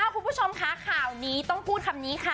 คุณผู้ชมคะข่าวนี้ต้องพูดคำนี้ค่ะ